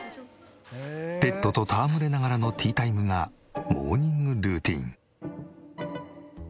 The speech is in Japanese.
ペットと戯れながらのティータイムがモーニングルーティーン。